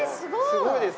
すごいです。